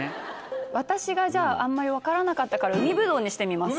私がじゃああんまり分からなかったから海ぶどうにしてみます。